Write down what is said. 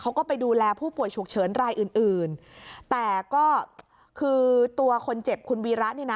เขาก็ไปดูแลผู้ป่วยฉุกเฉินรายอื่นอื่นแต่ก็คือตัวคนเจ็บคุณวีระเนี่ยนะ